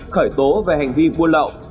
khởi tố về hành vi buôn lậu